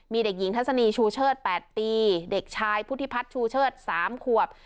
มีเด็กหญิงทัศนีชูเชิด๘ปีเด็กชายพุทธิพัฒน์ชูเชิด๓ขวบ